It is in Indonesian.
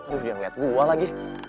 udah liat gue lagi